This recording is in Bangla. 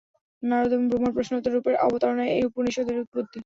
নারদ এবং ব্রহ্মার প্রশ্নোত্তর রূপের অবতারণায় এই উপনিষদ্ এর উৎপত্তি।